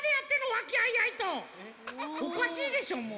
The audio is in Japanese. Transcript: おかしいでしょもう！